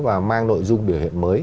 và mang nội dung biểu hiện mới